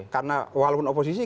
karena walaupun oposisi